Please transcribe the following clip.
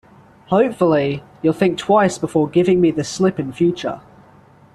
Hopefully, you'll think twice before giving me the slip in future.